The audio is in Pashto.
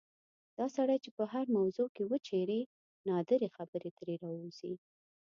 دا سړی چې په هره موضوع کې وچېړې نادرې خبرې ترې راوځي.